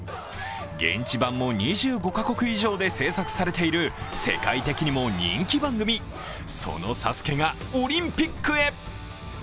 現地版も２５カ国以上で制作されている、世界的にも人気番組その「ＳＡＳＵＫＥ」がオリンピックへ。